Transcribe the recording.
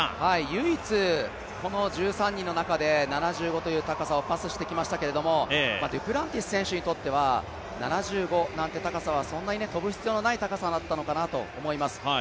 唯一この１３人の中で７５という高さをパスしてきましたけどもデュプランティス選手にとっては７５なんて高さは跳ぶ必要のない高さだったのかなと思います。